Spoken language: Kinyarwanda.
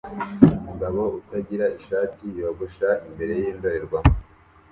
Umugabo utagira ishati yogosha imbere yindorerwamo